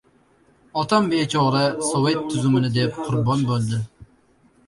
Otam bechora Sovet tuzumini deb qurbon bo‘ldi.